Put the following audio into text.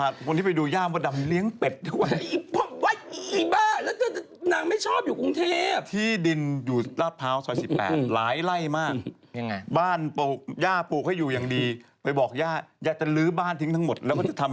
ซึ่งรู้ไหมปั้ม